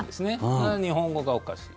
これは日本語がおかしい。